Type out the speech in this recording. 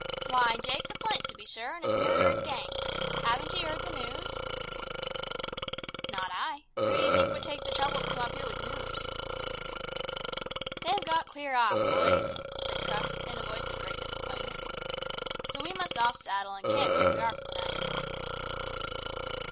"Why, Jake the Flint, to be sure, an' his murderin' gang. Haven't ye heard the news?" "Not I. Who d'ye think would take the trouble to come up here with noos?" "They've got clear off, boys," said Crux, in a voice of great disappointment. "So we must off saddle, an' camp where we are for the night."